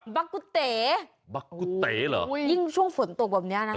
บักกุเต๋บักกุเต๋เหรอยิ่งช่วงฝนตกแบบเนี้ยนะ